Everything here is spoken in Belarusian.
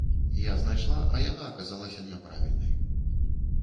Я знайшла, а яна аказалася няправільнай.